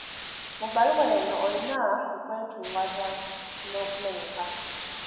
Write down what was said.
Mu bbaluwa eno olina okwetoowaza n'okumenyeka.